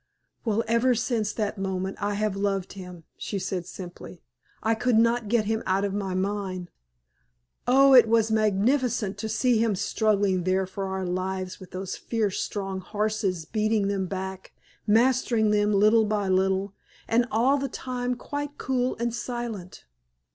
"Well, ever since that moment I have loved him," she said, simply. "I could not get him out of my mind. Oh! it was magnificent to see him struggling there for our lives with those fierce, strong horses, beating them back, mastering them little by little, and all the time quite cool and silent!